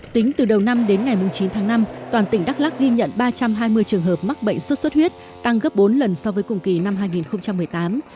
tính từ đầu năm đến ngày chín tháng năm toàn tỉnh đắk lắc ghi nhận ba trăm hai mươi trường hợp mắc bệnh sốt xuất huyết tăng gấp bốn lần so với cùng kỳ năm hai nghìn một mươi tám